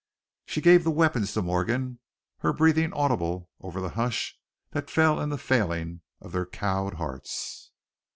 She gave the weapons to Morgan, her breathing audible over the hush that fell in the failing of their cowed hearts.